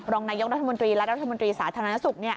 รองนายกรัฐมนตรีและรัฐมนตรีสาธารณสุข